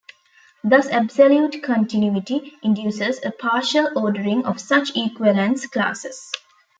Thus absolute continuity induces a partial ordering of such equivalence classes.